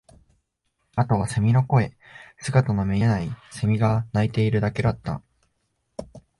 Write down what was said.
あとは蝉の声、姿の見えない蝉が鳴いているだけだった